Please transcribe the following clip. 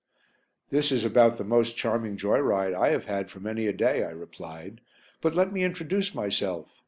"This is about the most charming joy ride I have had for many a day," I replied, "but let me introduce myself.